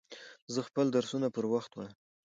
زه خپل درسونه پر وخت وایم.